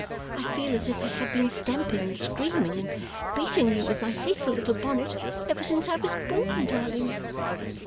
I feel as if I had been stamping and screaming and beating you with my hateful little bonnet, ever since I was born, darling!